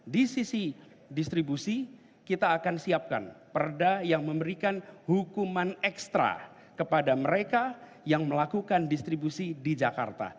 di sisi distribusi kita akan siapkan perda yang memberikan hukuman ekstra kepada mereka yang melakukan distribusi di jakarta